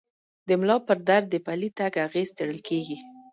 د ملا پر درد د پلي تګ اغېز څېړل کېږي.